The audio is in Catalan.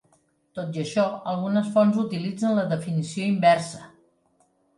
Tot i això, algunes fonts utilitzen la definició inversa.